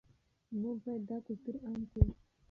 موږ باید دا کلتور عام کړو.